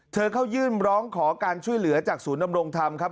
เธอเข้ายื่นร้องขอการช่วยเหลือจากศูนย์ดำรงธรรมครับ